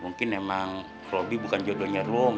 mungkin emang robi bukan jodohnya rom